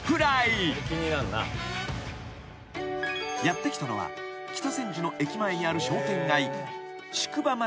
［やって来たのは北千住の駅前にある商店街］